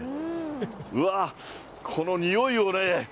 うわ、この匂いをね。